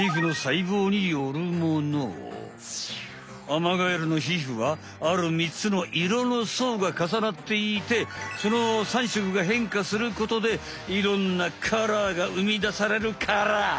アマガエルのひふはある３つの色のそうがかさなっていてその３色がへんかすることでいろんなカラーがうみだされるカラー。